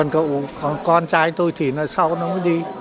còn con trai tôi thì sau nó mới đi